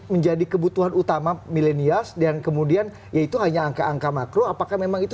menjadi kebutuhan utama millennials dan kemudian yaitu hanya angka angka makro apakah memang itu